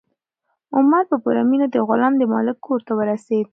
عمر په پوره مینه د غلام د مالک کور ته ورسېد.